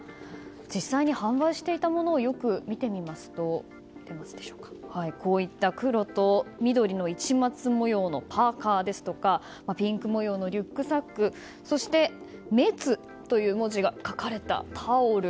実際に販売されていたものをよく見てみますと、こういった黒と緑の市松模様のパーカやピンク模様のリュックサックそして「滅」という文字が書かれたタオル。